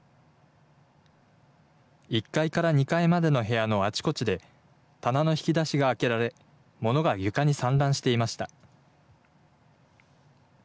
１階から２階までの部屋のあちこちで、棚の引き出しが開けられ、物が床に散乱していました。